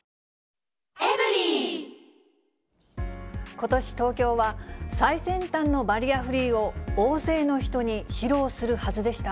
ことし東京は、最先端のバリアフリーを大勢の人に披露するはずでした。